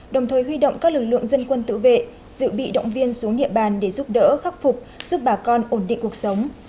đồng thời huy động các lực lượng dân quân tự vệ dự bị động viên xuống địa bàn để giúp đỡ khắc phục giúp bà con ổn định cuộc sống